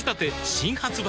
新発売